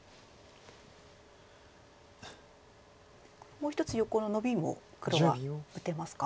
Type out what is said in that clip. もう１つ横のノビも黒は打てますか？